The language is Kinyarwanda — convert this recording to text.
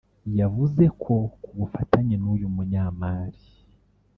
yavuze ko ku bufatanye n’uyu munyamari